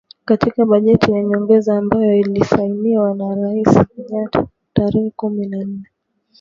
Katika bajeti ya nyongeza ambayo ilisainiwa na Rais Kenyatta Aprili tarehe kumi na nne, aliidhinisha shilingi bilioni thelathini na nne.